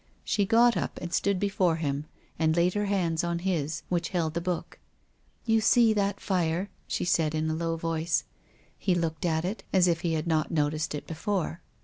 She got up and stood before him and laid her hands on his, which held the book. " You see that fire ?" she said in a low voice. He looked at it, as if he had not. noticed it be fore.